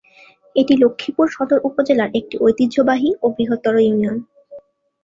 এটি লক্ষ্মীপুর সদর উপজেলার একটি ঐতিহ্যবাহী ও বৃহত্তর ইউনিয়ন।